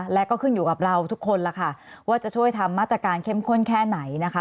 และก็ขึ้นอยู่กับเราทุกคนล่ะค่ะว่าจะช่วยทำมาตรการเข้มข้นแค่ไหนนะคะ